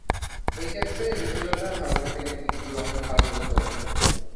এক্ষেত্রে জটিলতা হালকা থেকে তীব্র আকার ধারণ করতে পারে।